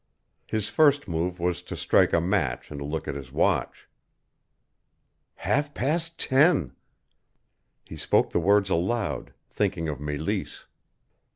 His first move was to strike a match and look at his watch. "Half past ten!" He spoke the words aloud, thinking of Meleese.